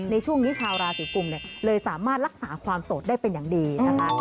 ในช่วงนี้ชาวราศีกุมเลยสามารถรักษาความโสดได้เป็นอย่างดีนะคะ